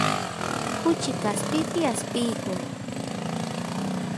kuchi kaspipi aspiykun